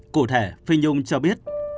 cụ thể phi nhung cho biết